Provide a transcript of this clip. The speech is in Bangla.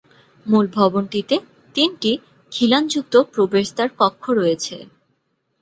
মূল ভবনটিতে তিনটি খিলানযুক্ত প্রবেশদ্বার কক্ষ রয়েছে।